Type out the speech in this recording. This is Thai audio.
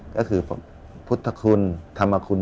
ก็คือพุทธคุณธรรมคุณ